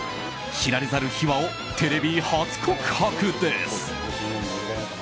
知られざる秘話をテレビ初告白です。